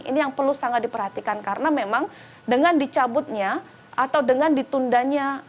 ini yang perlu sangat diperhatikan karena memang dengan dicabutnya atau dengan ditundanya